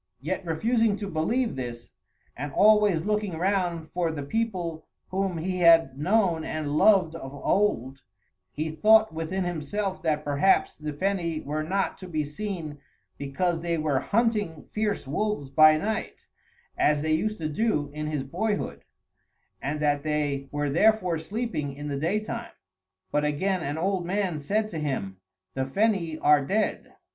Yet refusing to believe this, and always looking round for the people whom he had known and loved of old, he thought within himself that perhaps the Feni were not to be seen because they were hunting fierce wolves by night, as they used to do in his boyhood, and that they were therefore sleeping in the daytime; but again an old man said to him, "The Feni are dead."